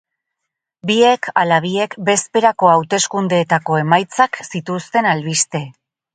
Biek ala biek bezperako hauteskundeetako emaitzak zituzten albiste.